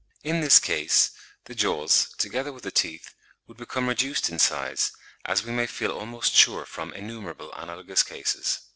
In this case, the jaws, together with the teeth, would become reduced in size, as we may feel almost sure from innumerable analogous cases.